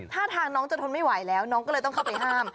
ถ้าทางน้องจะทนไม่ไหวแล้วน้องก็เลยต้องเข้าไปห้าม